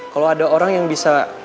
kalau ada orang yang bisa